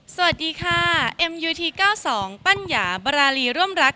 สวัสดีค่ะเอ็มยูทีข้าวสองปั้นอยาบราลีร่วมรัก